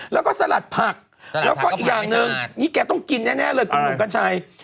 แล้วก็สลัดผักแล้วก็อีกอย่างหนึ่งนี่แกต้องกินแน่เลยคุณหนุ่มกัญชัย